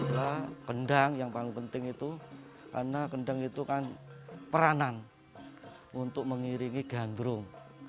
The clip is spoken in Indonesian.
nah kendang yang paling penting itu karena kendang itu kan peranan untuk mengiringi ganrum